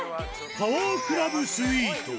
タワークラブスイート。